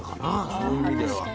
そういう意味では。